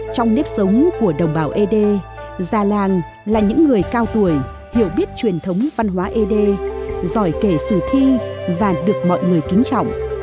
trong nếp sống của đồng bào ed già làng là những người cao tuổi hiểu biết truyền thống văn hóa ed giỏi kể sử thi và được mọi người kính trọng